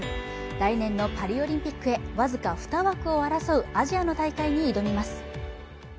来年のパリオリンピックへ僅か２枠を争うアジアの大会に挑みます。